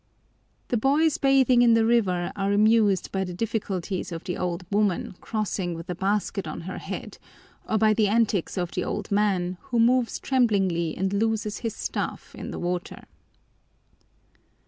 The boys bathing in the river are amused by the difficulties of the old woman crossing with a basket on her head or by the antics of the old man who moves tremblingly and loses his staff in the water.